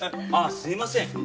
ああすいません